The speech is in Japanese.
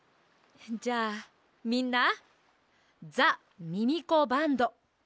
じゃあみんなザ・ミミコバンドやるよ！